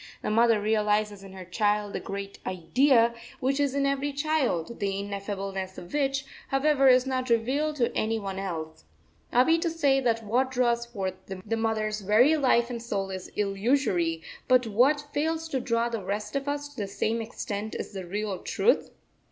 The mother realises in her child the great Idea, which is in every child, the ineffableness of which, however, is not revealed to any one else. Are we to say that what draws forth the mother's very life and soul is illusory, but what fails to draw the rest of us to the same extent is the real truth?